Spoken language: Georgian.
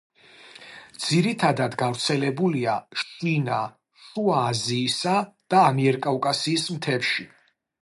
ძირითადად გავრცელებულია შინა, შუა აზიისა და ამიერკავკასიის მთებში.